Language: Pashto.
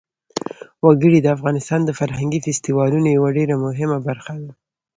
وګړي د افغانستان د فرهنګي فستیوالونو یوه ډېره مهمه برخه ده.